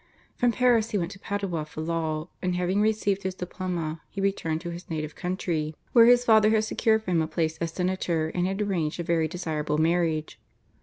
From Paris he went to Padua for law, and having received his diploma he returned to his native country, where his father had secured for him a place as senator and had arranged a very desirable marriage.